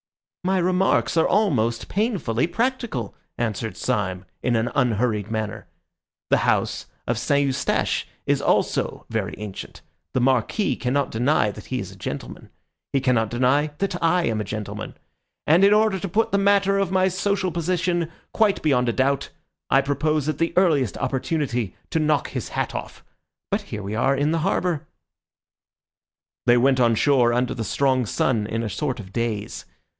"My remarks are almost painfully practical," answered Syme, in an unhurried manner. "The house of St. Eustache also is very ancient. The Marquis cannot deny that he is a gentleman. He cannot deny that I am a gentleman. And in order to put the matter of my social position quite beyond a doubt, I propose at the earliest opportunity to knock his hat off. But here we are in the harbour." They went on shore under the strong sun in a sort of daze.